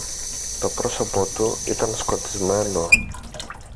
Το πρόσωπο του ήταν σκοτισμένο.